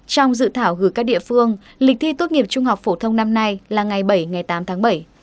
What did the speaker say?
trong dự thảo gửi các địa phương lịch thi tốt nghiệp trung học phổ thông năm nay là ngày bảy ngày tám tháng bảy